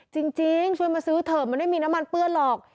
จริงช่วยมาซื้อเถอะมันไม่มีน้ำมันเปื้อนหรอก